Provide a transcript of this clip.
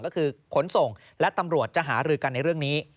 ก็คือขนส่งและตำรวจจะหารือกันในเรื่องนี้